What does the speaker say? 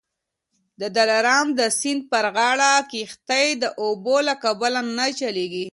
د دلارام د سیند پر غاړه کښتۍ د اوبو له کبله نه چلیږي